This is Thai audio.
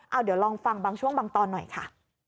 เอาเดี๋ยวลองฟังบางช่วงบางตอนหน่อยค่ะ